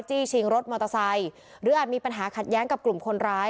ชิงรถมอเตอร์ไซค์หรืออาจมีปัญหาขัดแย้งกับกลุ่มคนร้าย